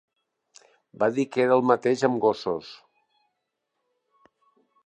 Va dir que era el mateix amb gossos.